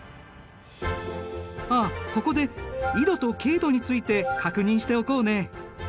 あっここで緯度と経度について確認しておこうね。